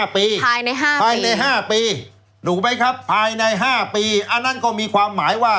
ภายในภายใน๕ปีถูกไหมครับภายใน๕ปีอันนั้นก็มีความหมายว่า